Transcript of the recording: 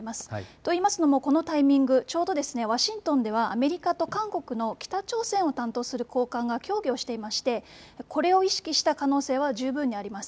といいますのもこのタイミング、ちょうどワシントンではアメリカと韓国の北朝鮮を担当する高官が協議をしていまして、これを意識した可能性は十分にあります。